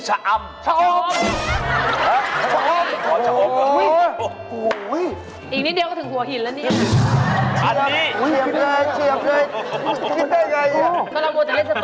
จากยาติอยากจะได้ยินเทอมดีจะคิดแล้วมั้ย